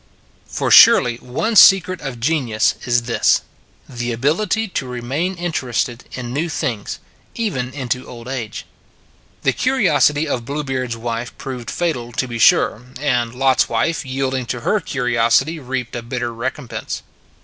For surely one secret of genius is this the ability to remain interested in new things, even into old age. The curiosity of Bluebeard s wife proved fatal, to be sure ; and Lot s wife, yielding to her curiosity, reaped a bitter recom pense.